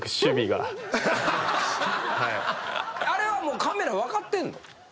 あれはもうカメラ分かってんの？